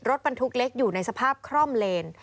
รถบรรทุกเล็กอยู่ในสภาพคร่อมเลน